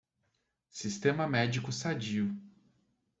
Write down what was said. Sistema médico sadio